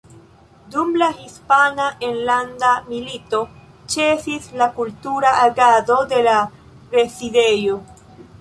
Dum la Hispana Enlanda Milito ĉesis la kultura agado de la Rezidejo.